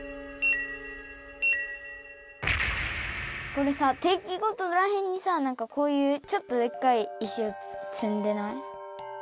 これさ定期ごとらへんにさなんかこういうちょっとでっかい石をつんでない？